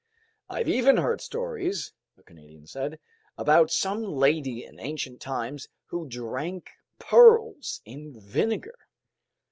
"I've even heard stories," the Canadian said, "about some lady in ancient times who drank pearls in vinegar."